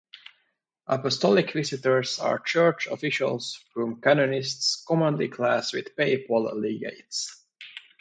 Apostolic visitors are church officials whom canonists commonly class with papal legates.